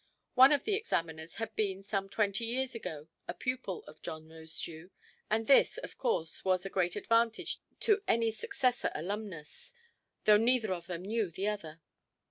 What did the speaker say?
One of the examiners had been, some twenty years ago, a pupil of John Rosedew, and this, of course, was a great advantage to any successor alumnus; though neither of them knew the other.